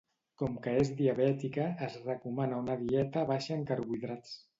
Com que és diabètica, es recomana una dieta baixa en carbohidrats.